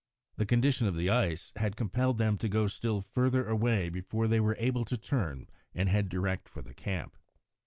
The condition of the ice had compelled them to go still further away before they were able to turn and head direct for the camp.